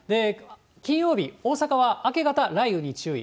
金曜日、大阪は明け方、雷雨に注意。